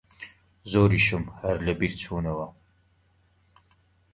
زۆریشم هەر لەبیر چوونەوە